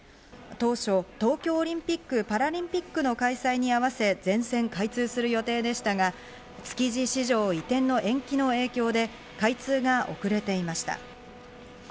当初、東京オリンピック・パラリンピックの開催に合わせ全線開通する予定でしたが、築地市場移転の延期の影響で開通が遅れていました。